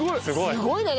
すごい。